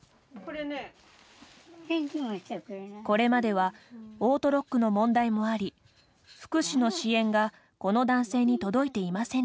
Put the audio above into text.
これまではオートロックの問題もあり福祉の支援がこの男性に届いていませんでした。